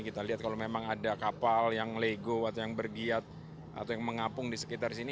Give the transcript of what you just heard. kita lihat kalau memang ada kapal yang lego atau yang bergiat atau yang mengapung di sekitar sini